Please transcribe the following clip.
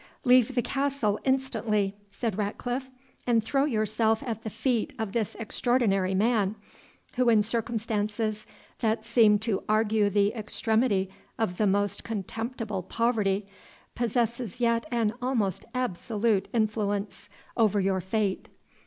"Leave the castle instantly," said Ratcliffe, "and throw yourself at the feet of this extraordinary man, who in circumstances that seem to argue the extremity of the most contemptible poverty, possesses yet an almost absolute influence over your fate.